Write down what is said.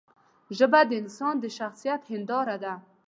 ژبه د انسان د شخصیت هنداره ده